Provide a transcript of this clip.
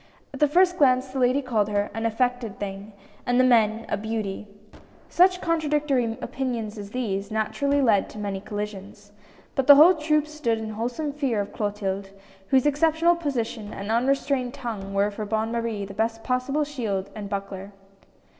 At the first glance the ladies called her "an affected thing," and the men " a beauty." Such contradictory opinions as these, naturally led to many collisions. But the whole troupe stood in wholesome fear of Clo tilde, whose exceptional position and unrestrained tongue, were for Bonne Marie the best possible shield and buckler.